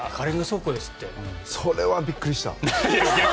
それはびっくりした。